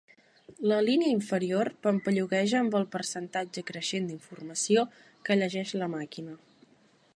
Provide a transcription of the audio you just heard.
La línia inferior pampallugueja amb el percentatge creixent d'informació que llegeix la màquina.